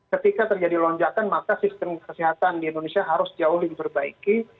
ketika terjadi lonjakan maka sistem kesehatan di indonesia harus jauh lebih diperbaiki